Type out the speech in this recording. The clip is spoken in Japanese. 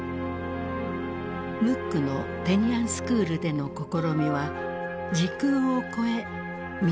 ムックのテニアンスクールでの試みは時空を超え実を結んだ。